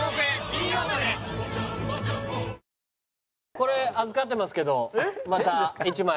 これ預かってますけどまた一枚。